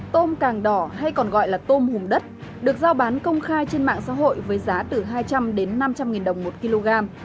tôm càng đỏ hay còn gọi là tôm hùm đất được giao bán công khai trên mạng xã hội với giá từ hai trăm linh đến năm trăm linh nghìn đồng một kg